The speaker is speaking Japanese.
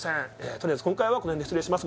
「とりあえず今回はこのへんで失礼します